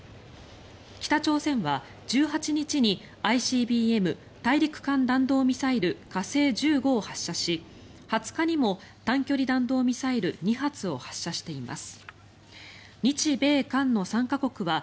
北朝鮮は１８日にＩＣＢＭ・大陸間弾道ミサイル火星１５を発射し２０日にも短距離弾道ミサイル２発を発射しています。